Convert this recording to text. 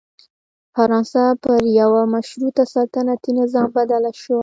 فرانسه پر یوه مشروط سلطنتي نظام بدله شوه.